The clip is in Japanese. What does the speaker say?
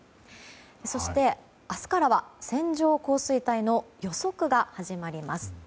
そして明日からは線状降水帯の予測が始まります。